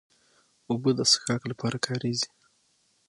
اوبه د څښاک لپاره کارېږي.